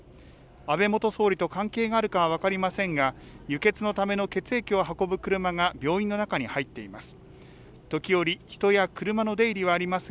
安倍元総理と関係があるかは分かりませんが輸血のための血液を運ぶ車が病院の中に入っています。